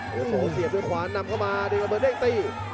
โอโสเสียบด้วยขวานำเข้ามาดึงระเบิดเด้งตี